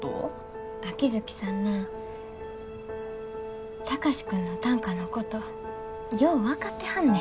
秋月さんな貴司君の短歌のことよう分かってはんねん。